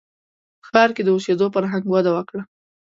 • په ښار کې د اوسېدو فرهنګ وده وکړه.